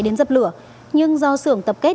đến dập lửa nhưng do xưởng tập kết